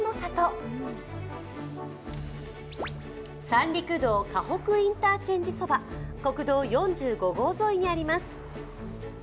三陸道河北インターチェンジそば、国道４５道沿いにあります。